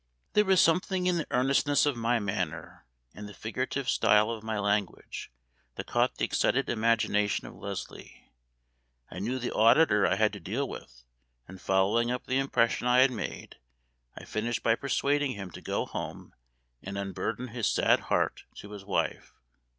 There was something in the earnestness of my manner, and the figurative style of my language, that caught the excited imagination of Leslie. I knew the auditor I had to deal with; and following up the impression I had made, I finished by persuading him to go home and unburden his sad heart to his wife.